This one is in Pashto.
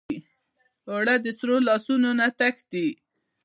اوړه د سړو لاسو نه تښتي